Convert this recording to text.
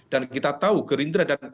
dan kita tahu gerindra dan pkp